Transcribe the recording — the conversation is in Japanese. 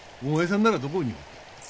お前さんならどこに？